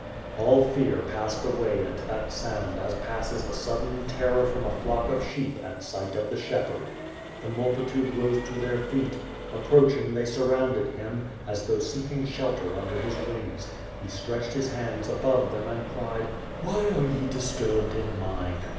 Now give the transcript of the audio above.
All fear passed away at that sound as passes a sudden terror from a flock of sheep at sight of the shepherd. The multitude rose to their feet. Approaching, they surrounded him, as though seeking shelter under his wings. He stretched his hands out above them and cried: "Why are ye disturbed in mind?